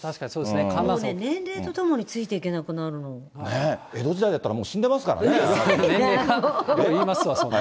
年齢とともについていけなく江戸時代だったら、もう死んうるさいな。